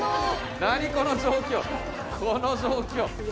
この状況この状況。